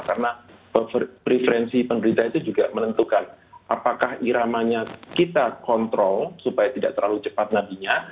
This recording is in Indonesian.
karena preferensi pemerintah itu juga menentukan apakah iramanya kita kontrol supaya tidak terlalu cepat nadinya